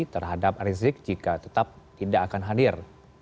terhadap rizik jika tetap tidak akan hadir